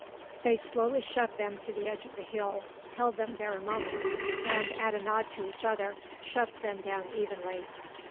They slowly shoved them to the edge of the hill, held them there a moment, and, at a nod to each other, shoved them down evenly.